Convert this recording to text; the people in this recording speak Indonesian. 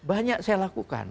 banyak saya lakukan